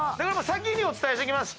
先にお伝えしておきます。